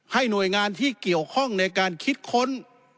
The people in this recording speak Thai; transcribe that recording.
หน่วยงานที่เกี่ยวข้องในการคิดค้น